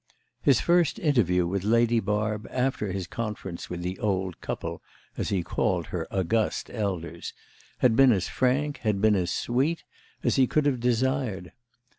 His first interview with Lady Barb after his conference with the old couple, as he called her august elders, had been as frank, had been as sweet, as he could have desired.